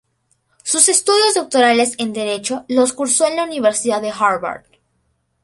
Sus estudios doctorales en Derecho los cursó en la Universidad de Harvard.